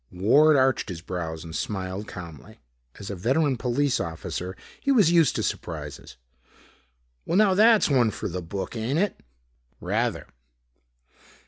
Ward arched his brows and smiled calmly. As a veteran police officer, he was used to surprises. "Well, now that's one for the book, ain't it?" "Rather."